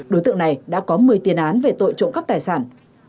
đối tượng này đã có một mươi tiền án về tội trộm cắp tài sản